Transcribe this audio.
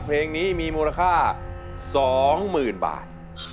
เพลงนี้มีมูลค่า๒๐๐๐๐บาท